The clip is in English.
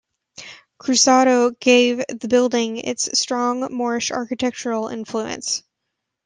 Cruzado gave the building its strong Moorish architectural influence.